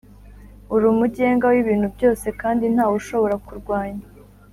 uri umugenga w’ibintu byose kandi nta we ushobora kukurwanya,